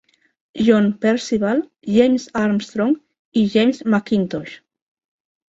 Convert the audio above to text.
John Percival, James Armstrong, i James McIntosh.